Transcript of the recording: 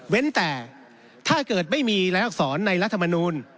แต่ถ้าเกิดไม่มีรายอักษรในรัฐมนูล